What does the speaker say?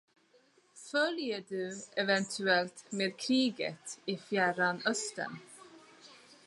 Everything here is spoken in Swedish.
Följer du eventuellt med kriget i Fjärran Östern?